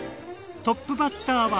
トップバッターは。